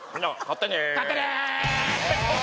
買ってね！